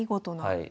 はい。